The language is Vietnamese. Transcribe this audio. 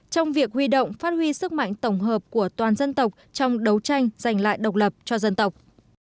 trong việc huy động phát huy sức mạnh tổng hợp của toàn dân tộc trong đấu tranh giành lại độc lập cho dân tộc